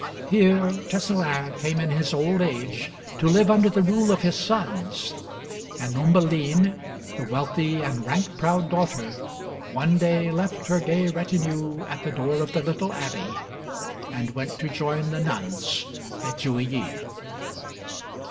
Here Tescelin came in his old age to live under the rule of his sons; and Humbeline, the wealthy and rank proud daughter, one day left her gay retinue at the door of their little abbey and went to join the nuns at Jouilly.